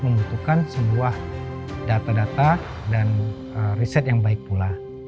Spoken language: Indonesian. membutuhkan sebuah data data dan riset yang baik pula